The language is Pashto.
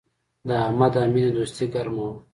د احمد او مینې دوستي گرمه وه